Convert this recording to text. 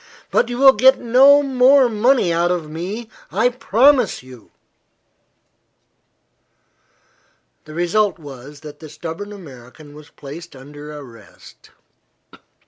"But you will get no more money out of me, I promise you." The result was that the stubborn American was placed under arrest.